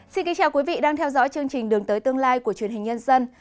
xin kính chào quý vị đang theo dõi chương trình đường tới tương lai của truyền hình nhân dân